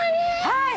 はい。